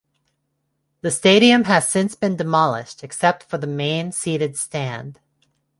The stadium has since been demolished except for the main seated stand.